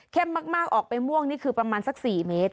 มากออกไปม่วงนี่คือประมาณสัก๔เมตร